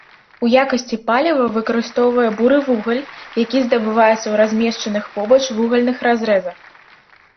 У якасці паліва выкарыстоўвае буры вугаль, які здабываецца ў размешчаных побач вугальных разрэзах.